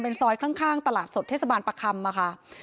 เป็นซอยข้างตลาดสดเทศบาลประคัมมาค่ะ